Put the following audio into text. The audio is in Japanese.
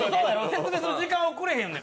説明する時間くれへんねん。